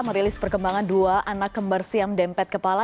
merilis perkembangan dua anak kembarsiam dempet kepala